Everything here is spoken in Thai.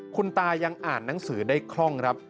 คุณตายังอ่านหนังสือได้คล่องครับ